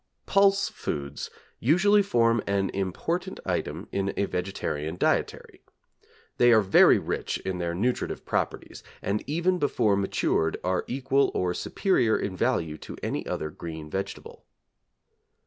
Pulse foods usually form an important item in a vegetarian dietary. They are very rich in their nutritive properties, and even before matured are equal or superior in value to any other green vegetable.